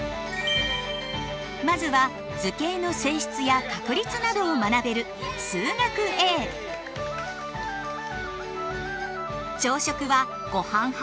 まずは図形の性質や確率などを学べる朝食はごはん派？